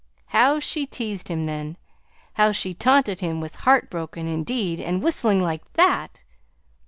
"How she teased him then! How she taunted him with 'Heart broken, indeed and whistling like that!'